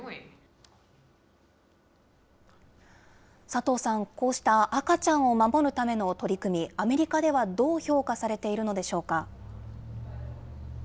佐藤さん、こうした赤ちゃんを守るための取り組み、アメリカではどう評価されているのでしょうか。